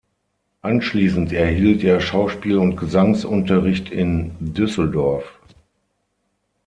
Anschließend erhielt er Schauspiel- und Gesangsunterricht in Düsseldorf.